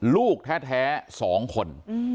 ลูกแท้สองคน